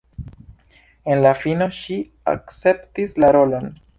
En la fino ŝi akceptis la rolon.